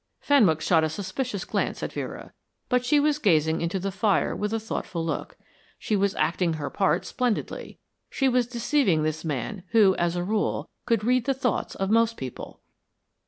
Fenwick shot a suspicious glance at Vera, but she was gazing into the fire with a thoughtful look. She was acting her part splendidly; she was deceiving this man who, as a rule, could read the thoughts of most people.